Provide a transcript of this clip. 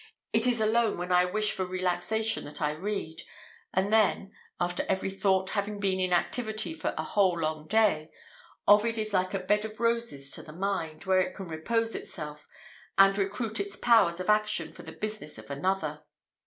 "It is alone when I wish for relaxation that I read, and then after every thought having been in activity for a whole long day Ovid is like a bed of roses to the mind, where it can repose itself, and recruit its powers of action for the business of another."